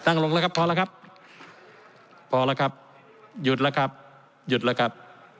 ลงแล้วครับพอแล้วครับพอแล้วครับหยุดแล้วครับหยุดแล้วครับ